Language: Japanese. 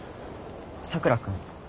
佐倉君。